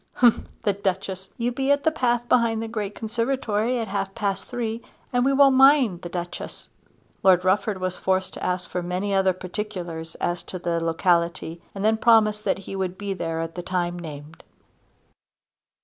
"H'mh'm the Duchess! You be at the path behind the great conservatory at half past three and we won't mind the Duchess." Lord Rufford was forced to ask for many other particulars as to the locality and then promised that he would be there at the time named.